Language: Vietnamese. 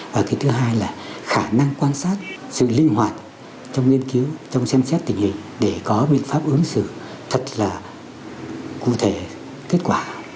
và cái thứ hai là khả năng quan sát sự linh hoạt trong nghiên cứu trong xem xét tình hình để có biện pháp ứng xử thật là cụ thể kết quả